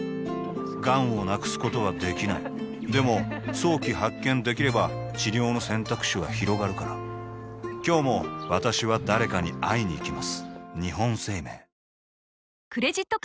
がんを無くすことはできないでも早期発見できれば治療の選択肢はひろがるから今日も私は誰かに会いにいきます